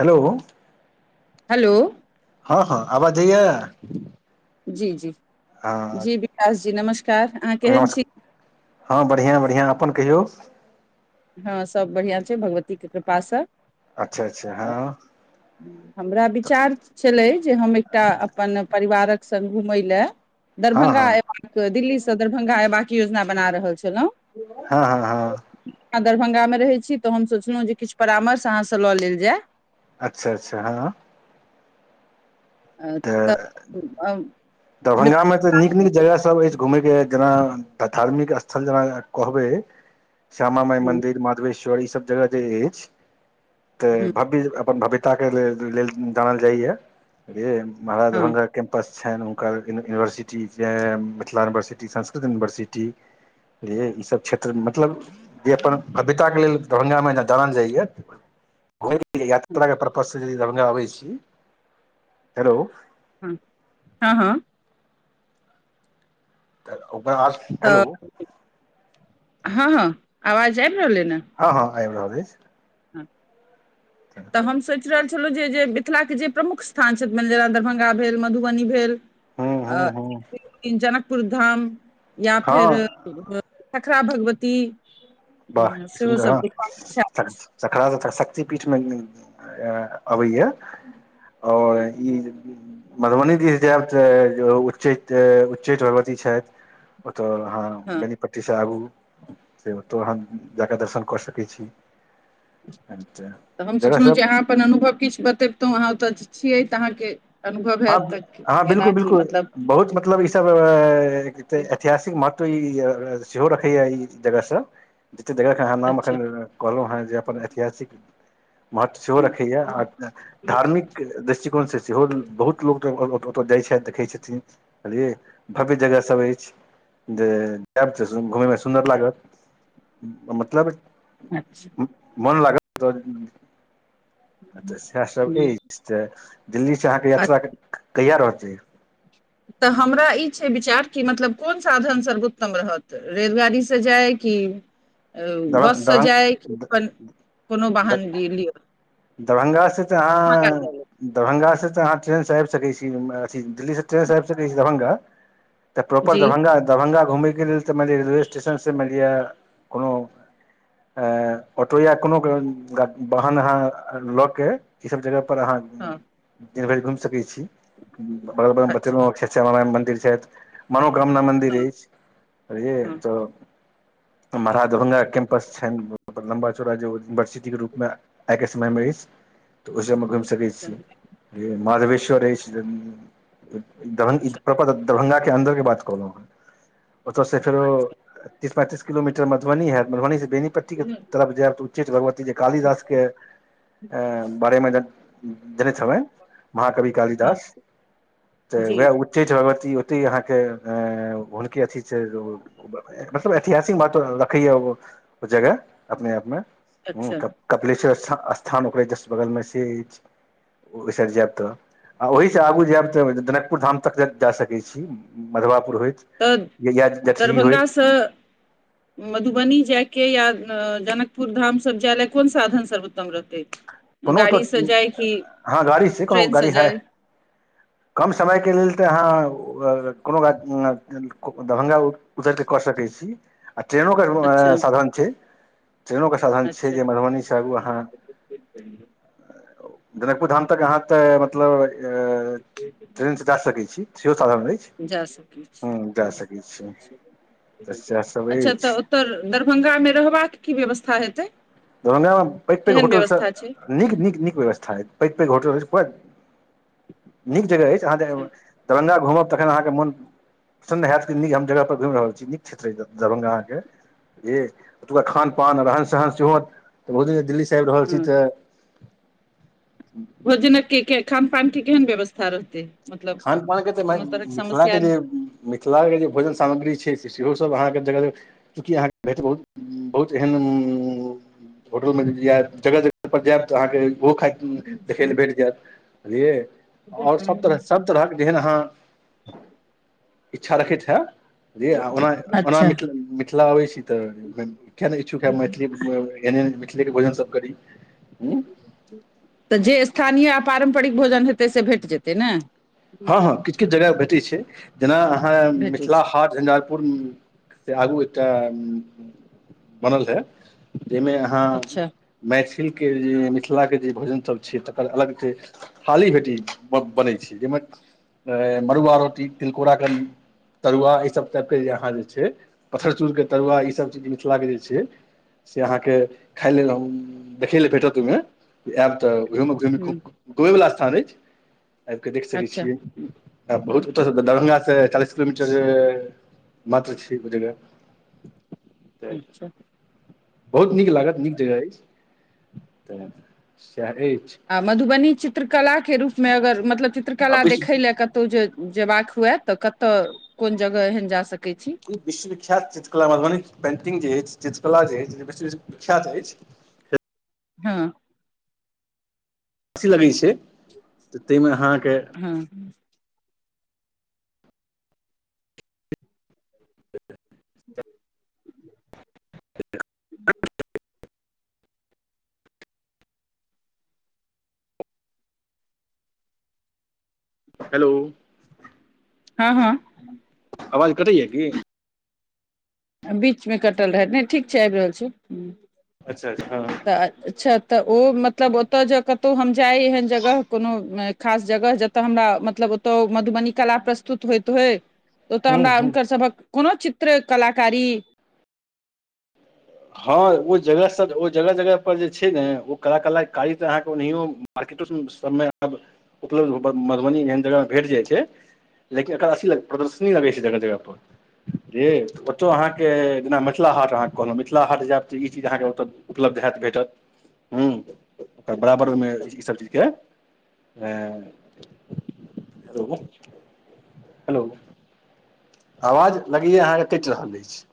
Hello. Hello. हँ हँ आवाज जइया। जी जी। जी विकास जी नमस्कार। अहाँ न केहन छी हँ बढ़िआँ बढ़िआँ अपन कहियौ। हँ सभ बढ़िआँ छै भगवतीके कृपासँ। अच्छा अच्छा हँ हमरा तऽ विचार छलै जे हम एकटा अपन परिवारक संग़ घुमैले हँ दरभङ्ंगा हँ दिल्ली दरभंगा एयबाक योजना बना रहल छलहुँ। हँ हँ हँ। अहाँ दरभंगामे रहैत छी त हम सोचलहुँ जे किछु परामर्श अहाँसँ लऽ लेल जाय। अच्छा अच्छा हँ। तऽ अ, मिथिला- दरभंगामे तऽ नीक - नीक जगहसभ अछि घूमे के जेना धार्मिक स्थल जेना कहबै। श्यामा मइ मन्दिर मधवेश्वर ई सब जगह जे अछि तऽ भी अपन भि क्त के लेल जानल जाइया। हँ महारहाभङ्ा कैम्पस छनि हुनकर university Mithila university Sanskrit university बुझलियै ईसभ क्षेत्र मतलब जे अपन भव्यताके लेल दरभंगामे जे जानल जाइए। हो हँ यात्रा के पर्पस। [inaudible] ै हेलो। ह हँ हँ। हेलो। हेलो। तऽ हँ हँ आवाज आब रहले ने। हँ हँ आबि रहल अछि। ह। तऽ हम सोचि रहल जे मिथिला के जे प्रमुख स्थान छथिने जेना दरभंगा भेल मधुबनी भेल हूँ अ हूँ हूँ एक तन जना पुर धाम। या हँ फेर खखरा भगवती। बाह सेहो सुन्दर सब हँ। देखबाक इच्छा अछि खासथ शक्तिपीठमे अबैय आओर ई मधुबनी दिश जायब तऽ उच्चै उच्चैठ भगवती छथि। तऽ अहाँ हँ बेनीपट्टी से आगू। से ब। तऽ हम जााकऽ दर्शन कऽ सकैत छी। तऽ हम सोचलहुँ जगहसभ जे अहाँ अपन अनुभव किछु बतेब कतहु अहाँ ओतऽ छियै तऽ अहाँके अनुभव हँ हैत तऽ हँ एना बिलकुल की बिलकुल मतलब बहुत मतलब इ सब। ऐतिहासिक मत सेहो रखैया ई जगहसँ ज। ए जगहके अहाँ नाम अच्छा एखन कहलहुँ हेँ जे अपन ऐतिहासिक महत्व सेहो हूँ, रखैएा आ धार्मिक दृष्टिकोण से सेहो बहुत ओतय जाइत छथि देखै छथिन बुझलियै भव्य जगहसभ अछि जे जायब तऽ घुमयमे सुन्दर लागत मतलब अच्छा मन लागा। द अचछा स सब हूँ, ई त। दिल्ली से अहाँके यात्रा अच्छा। कैयार होतै तऽ हमरा ई छै विचार कि मतलब कोन साधन सर्वोत्तम रहत रेलगाड़ीसँ जाय कि बससँ जाइ कि दरभं अपन कोनो वाहन लिअ दरभङंगाँ ता मग आहान आलेलं. दरभंगा सा ट्रेन ऐब सक छी अ दिल्ली ट्रेन से आबि सकै छी दरभंगा त प्रोपर जी दरभंगा दरभंगा घूमे ओके लेल तऽ मानि लिअ रेलवे स्टेशनसँ मि लिअ कोनो अ ऑटो या कोनो वाहन अहाँ लऽ के ई सब जगह पर ह जी हँ दिन भरि घुि सकै छी बग बच्चे ख द छथि मनोकामना मन्दिर हँ अछि बझलियै हँ तऽ मराहद कैं्पस छ ल्बा रह यूनिवर्सिटी के रूपमे एइकस मे इस त उस मुस सकै छी मध र धन इ अच्छा प्रपाद दरभंगा के अंन्दर के बात कहलहु ह ओतऽसँ फेरो तस पैीस किलोमीटर मधबनी है मधबनी बेनीपट्टी के हँ तरफ जायब त उच्चेठ भगवती जे कालिदास के बारे में ज ह जनित हवै महाकवि कालिदास तऽ जी वएह उच्चै छै भगवती अहाँके हुनकी अथी छै मतलब ऐतिहासिक बात रखैय ओ जगह अपने आपमे ह अच्छा कपिलेश्वथ स्थान ओकररा अछि जस बगलमे से अछि ओहि साइड जायब तऽ आ ओहिसँ आगू जायब तऽ जनकपुर धाम तक जा होइत तऽ या जटही होइत दरभंगासँ मधुबनी जाय के य जनकपुर धाम सजलय कोन साधन सर्वोत्तम रहतै कोनो तऽ, गाड़ीसँ जाय कि अहाँ गाड़ी छी कोनो ट्रेनसँ गाड़ी है, जाय कम समयके लेल तऽ अहाँ कोनो गात न दरभंगा उतर कऽ कऽ सकैत छी। आ ट्रेनो के अच्छा साधन छै। ट्रेनोके साधन छै अच्छा जे मधुबनीसँ आगू अहाँ जनकपुर धाम तक यहाँके तऽ मतलब ट्रेनसँ जा सकै छी सेहो साधन अछि जा सकै हँ छी, जा सकैत छी तऽ सएह सभ अच्छा अछि तऽ ओतय दरभंगामे रहबाक की व्यवस्था हेतै दरभंगा मे पैघ पैघ केहन होटल सँ व्यवस्था छै नीक नीक नीक व्यवस्था अछि, पैघ पैघ होटल ब नीक जगह अछि। कहाँ जा, अच्छा, दरभंगा घूमऽ तखन अहाँके मन प्रसन्न होयत न, हम जगह पर घुमि रहल छी नीक क्षेत्र दरभंगा अहाँके ई ओतुका खान पान रहन सहन चत त बोल दिल्ली से चबि रहल छी हँ तऽ भोजनक के खान पान के केहन व्यवस्था रहत खान पानके तऽ मिथिलाके जे मिथिलाके जे भोजन सामग्री छै से सेहो सब अहाँके जगह जगह चूँकि, अहाँके भेट बहुत बहुत एहन होटलमे यए जगह जगह परर जायब तऽ अहाँके ओ खा देखै ल भेट जायत बझलिय और सब तरह तरह जेहन अहाँ, इच्छा रखैत है जी आ ओना ओना अच्छा मिथिला मिथिला अबै छी तऽ। हन इच्छुक मैथिली मिी के भोजन सब करी, हु तऽ जे स्थानीय आ पारम्परिक भोजन हेतै से भेट जेतै न। हँ, हँ, किछु किछु जगह भेटैत छै, जेना अहाँ भेटै मिथिला छै हाट झञझारपुर से आगू एकटा बनल है जाहिमे अहाँ अच्छा मै किन के जे मैथिलके जे मिथिलाके जे भोजन सब छै तकर अलग छै, हाली भेटी बनै छै जाहिमे मड़ुआ रोटी, तिलकोरा के तरुआ, ईसभ टाइपके जे अहाँ जे छै, पत्थरचूड़ के तरुआ, ईसभ चीज मिथिलाके जे छै से अहाँके खााय लेल देखेल भेट तमी आब तऽ घूमी घूम घूम हूँ घूमी में वला सारेज आबिऽ देख सकैत छी अच्छा बहुतत दरभा ते चालीस किलोमीटर मात्र छै ओ जगह। तऽ अच्छा। बहुत नीक लागत नीक जगह अछि तऽ अछि आ मधुबनी च चित्र कला के रूप में अगर मतलब आ चित्रकला देखै विश्व लए कतहु जे जेबाक हुए तऽ कतय कोन जगह एहन जा सक ई विश्वविख्यात चित्रकला मधुबनी पेंटिंग जे क जे अछि विख्यात अछि हँ सी लगै छै तऽ ताहिमे अहाँ हँ ठीक हेलो हँ हँ आवाज कटैय की बीचमे कटल रहय नहि ठीक छै आबि रहल छै ह्म अच्छा अच्छा हँ तऽ अच्छा तऽ ओ मतलब ओतय जे कतहु हम जाय एहन जगह कोनो खास जगह जतय हमरा मतलब ओतय मधुबनी कला प्रस्तुत होइत होय त ओतऽ हूँ हमरा हूँ हुनकर सभक कोनो चित्र कलाकारी हँ ओ जगहसँ ओ जगह जगह पर जे छै ने ओ कलाकलाकारी तऽ अहाँके ओनाहिो मार्केटो सबमे आब उपलब्ध मधुबनी एहन जगहमे भेट जाइ छै लेकिन एकर अथी प्रदर्शनी लगै छै जगह जगह पर बझ ओतौ अहाँके जेना मिथिला हाट अहाँ कहलहुँ मि च अाँ उपब् होत भेटत ओ बराबर ओहि चीजके हेलो आवाज लगैए अहाँके कटि रहल अछि